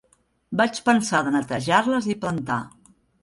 Vaig pensar de netejar-les i plantar.